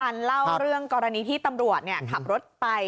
เล่าเรื่องกรณีที่ตำรวจขับรถไป